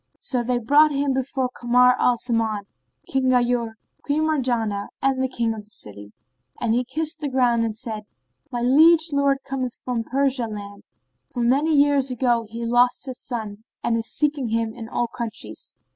So they brought him before Kamar al Zaman, King Ghayur, Queen Marjanah and the King of the city; and he kissed the ground and said, "My liege lord cometh from Persia land; for many years ago he lost his son and he is seeking him in all countries.